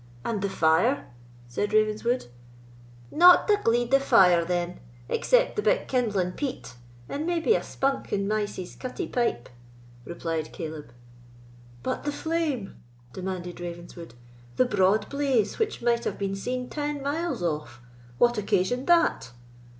and the fire?" said Ravenswood. "Not a gleed of fire, then, except the bit kindling peat, and maybe a spunk in Mysie's cutty pipe," replied Caleb. "But the flame?" demanded Ravenswood—"the broad blaze which might have been seen ten miles off—what occasioned that?"